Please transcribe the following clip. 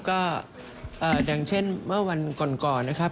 ก็อย่างเช่นเมื่อวันก่อนนะครับ